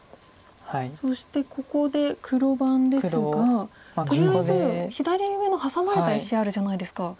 そしてここで黒番ですがとりあえず左上のハサまれた石あるじゃないですか。